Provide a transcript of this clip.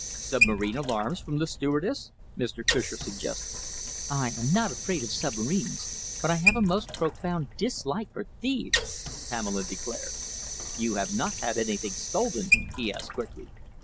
"Submarine alarms from the stewardess?" Mr. Fischer suggested. "I am not afraid of submarines, but I have a most profound dislike for thieves," Pamela declared. "You have not had anything stolen?" he asked quickly.